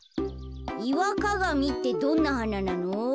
イワカガミってどんなはななの？